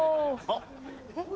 あっ。